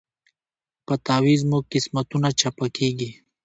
په تعویذ مو قسمتونه چپه کیږي